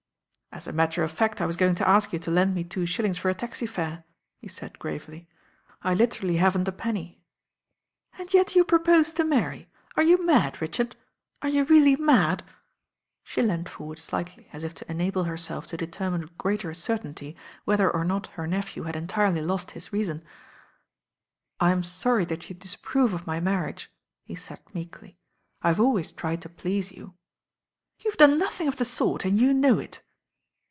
"As a matter of fact I was going to ask you to lend me two shillings for a taxi fare," he said gravely; "I literally haven't a penny." "And yet you propose to marry. Are you mad, Richard? Are you really mad?" She leaned for ward slightly as if to enable herself to determine with greater certainty whether or not her nephew had entirely lost his reason. H86 THE RAIN GIRL «T». Tm sorry that you disapprove of my marriage/* he said meekly. "I've always tried to please you." "YouVc done nothing of the sort, and you know it."